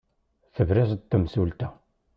Tebra-as-d temsulta.